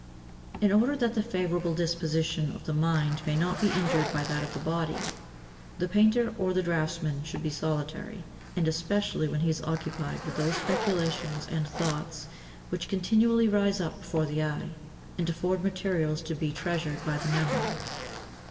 In order that the favourable disposition of the mind may not be injured by that of the body, the painter or the draughtsman should be solitary, and especially when he is occupied with those speculations and thoughts which continually rise up before the eye, and afford materials to be treasured by the memory.